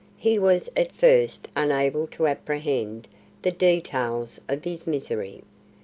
He was at first unable to apprehend the details of his misery.